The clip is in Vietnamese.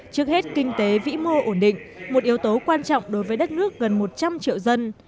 trước hết kinh tế vĩ mô ổn định một yếu tố quan trọng đối với đất nước gần một trăm linh triệu dân